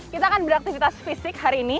kita kan beraktifitas fisik hari ini